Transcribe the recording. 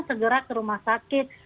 segera ke rumah sakit